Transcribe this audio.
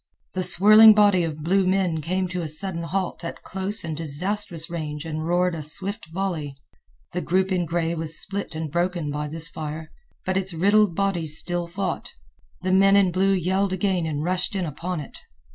The swirling body of blue men came to a sudden halt at close and disastrous range and roared a swift volley. The group in gray was split and broken by this fire, but its riddled body still fought. The men in blue yelled again and rushed in upon it.